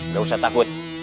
gak usah takut